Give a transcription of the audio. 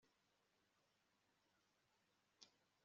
Ni ryari uheruka kubona kazitunga